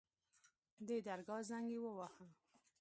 د درګاه زنګ يې وواهه.